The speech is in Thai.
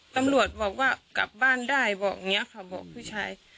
ตำรวจบอกว่ากลับบ้านได้บอกอย่างนี้ค่ะบอกผู้ชาย